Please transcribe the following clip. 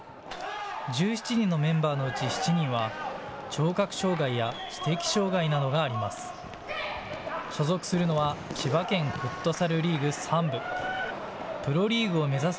１７人のメンバーのうち７人は聴覚障害や知的障害などがあります。